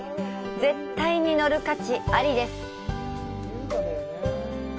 絶対に乗る価値ありです。